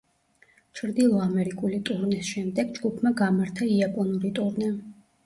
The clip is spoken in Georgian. ჩრდილო ამერიკული ტურნეს შემდეგ ჯგუფმა გამართა იაპონური ტურნე.